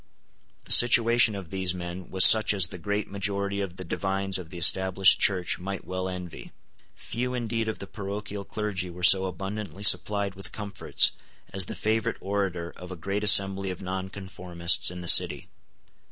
The situation of these men was such as the great majority of the divines of the Established Church might well envy. Few indeed of the parochial clergy were so abundantly supplied with comforts as the favourite orator of a great assembly of nonconformists in the City.